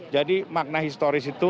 jadi makna historis itu